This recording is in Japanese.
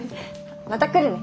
また来るね。